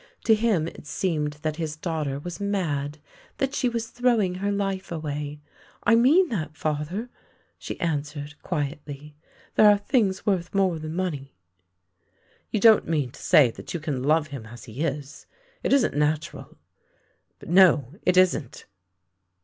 To him it seemed that his daughter was mad; that she was throwing her life away. " I mean that, father," she answered quietly. " There are things worth more than money." " You don't mean to say that you can love him as he is. It isn't natural. But no, it isn't!